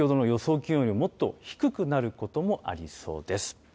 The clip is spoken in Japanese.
気温よりもっと低くなることもありそうです。